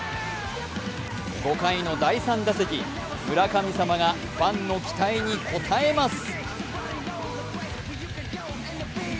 ５回の第３打席、村神様がファンの期待に応えます。